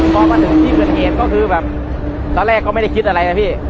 พอมาถึงที่เกิดเหตุก็คือแบบตอนแรกก็ไม่ได้คิดอะไรนะพี่